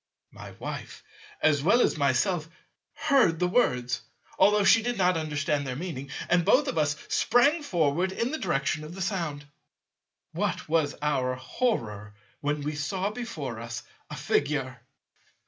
My Wife as well as myself heard the words, although she did not understand their meaning, and both of us sprang forward in the direction of the sound. What was our horror when we saw before us a Figure!